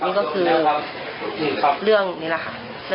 นี่ก็คือเรื่องนี้แหละค่ะ